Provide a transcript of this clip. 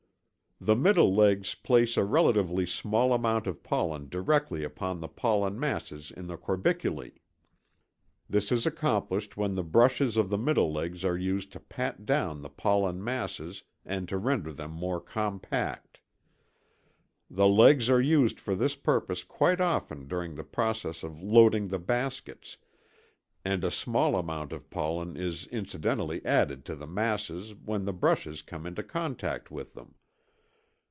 The middle legs place a relatively small amount of pollen directly upon the pollen masses in the corbiculæ. This is accomplished when the brushes of the middle legs are used to pat down the pollen masses and to render them more compact. (See fig. 6.) The legs are used for this purpose quite often during the process of Loading the baskets, and a small amount of pollen is incidentally added to the masses when the brushes come into contact with them.